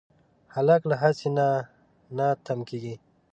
هلک له هڅې نه نه تم کېږي.